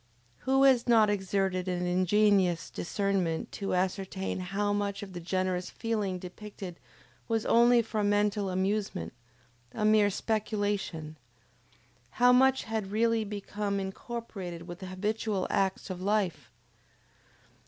Who has not exerted an ingenious discernment to ascertain how much of the generous feeling depicted was only for mental amusement, a mere speculation; how much had really become incorporated with the habitual acts of life?